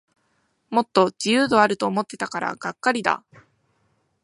もっと自由度あると思ってたからがっかりだ